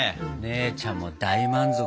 姉ちゃんも大満足。